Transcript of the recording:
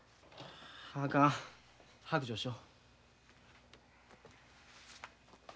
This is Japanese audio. あかん白状しよ。